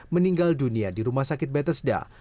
meninggal dunia di rumah sakit betesda